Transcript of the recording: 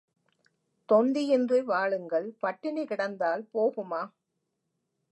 தொந்தியின்றி வாழுங்கள் பட்டினி கிடந்தால் போகுமா?